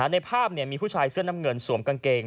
ในภาพมีผู้ชายเสื้อน้ำเงินสวมกางเกง